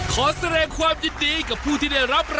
ขอบคุณครับ